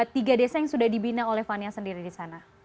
tiga desa yang sudah dibina oleh fania sendiri di sana